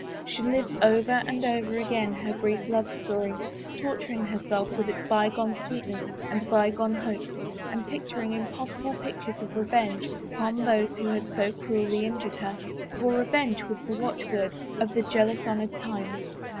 She lived over and over again her brief love story, torturing herself with its bygone sweetness and bygone hopes and painting impossible pictures of revenge upon those who had so cruelly injured her, for revenge was the watchword of the jealous honored times.